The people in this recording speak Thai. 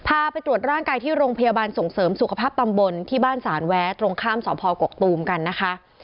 ไปตรวจร่างกายที่โรงพยาบาลส่งเสริมสุขภาพตำบลที่บ้านสารแว้ตรงข้ามสพกกตูมกันนะคะ